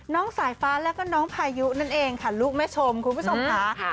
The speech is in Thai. น้องสายฟ้าแล้วก็น้องพายุนั่นเองค่ะลูกแม่ชมคุณผู้ชมค่ะ